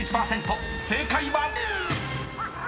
正解は⁉］